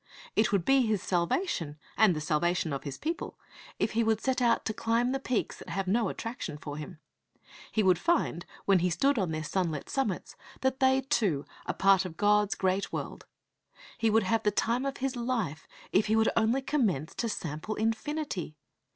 It would be his salvation, and the salvation of his people, if he would set out to climb the peaks that have no attraction for him. He would find, when he stood on their sunlit summits, that they too are part of God's great world. He would have the time of his life if he would only commence to sample infinity.